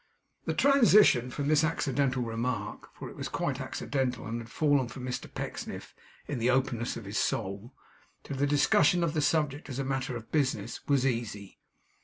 The transition from this accidental remark (for it was quite accidental and had fallen from Mr Pecksniff in the openness of his soul), to the discussion of the subject as a matter of business, was easy.